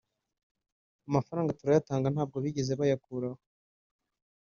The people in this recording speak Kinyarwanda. Amafaranga turayatanga ntabwo bigeze bayakuraho